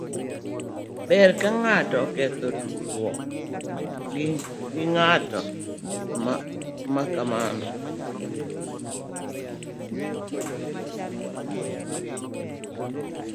Ber ka ng'ato oketho tudruok gi ng'at ma kamano.